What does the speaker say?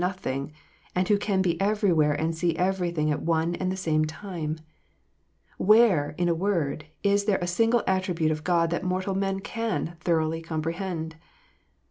nothing, and who can be everywhere and see everything at one and the same time 1 Where, in a word, is there a single attribute of God that mortal man can thoroughly comprehend